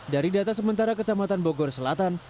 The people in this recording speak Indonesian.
dari data sementara kecamatan bogor selatan